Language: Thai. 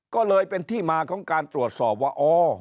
ก็เลยเป็นที่มาของการตรวจสอบว่าอ๋อ